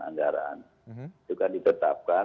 anggaran itu kan ditetapkan